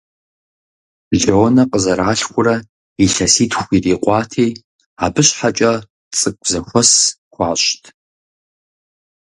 Лонэ къызэралъхурэ илъэситху ирикъути, абы щхьэкӀэ цӀыкӀу зэхуэс хуащӀт.